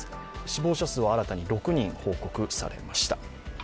死亡者数は新たに６人報告されました。